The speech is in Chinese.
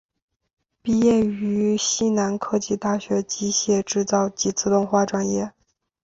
毕业于西南科技大学机械制造及自动化专业。